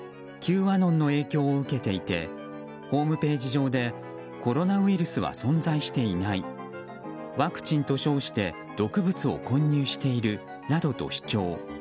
Ｑアノンの影響を受けていてホームページ上でコロナウイルスは存在していないワクチンと称して毒物を混入しているなどと主張。